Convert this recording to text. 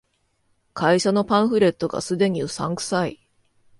会社のパンフレットが既にうさんくさい